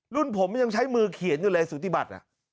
รุ่นผมยังใช้มือเขียนอยู่เลยสุธิบัติ